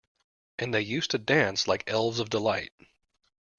And they used to dance like elves of delight.